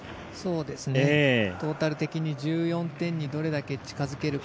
トータル的に１４点にどれだけ近付けるか。